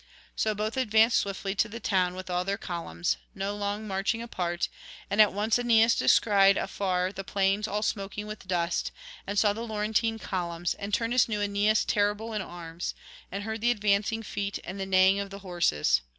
So both advance swiftly to the town with all their columns, no long march apart, and at once Aeneas descried afar the plains all smoking with dust, and saw the Laurentine columns, and Turnus knew Aeneas terrible in arms, and heard the advancing feet and the neighing of the horses.